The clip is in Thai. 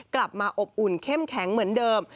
กลับมาอบอุ่นเข้มแข็งเหมือนเดิม